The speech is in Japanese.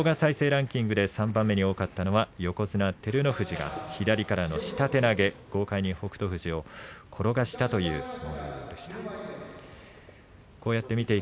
３番目に多かったのは横綱照ノ富士が左からの下手投げ豪快に北勝富士を転がしたという相撲です。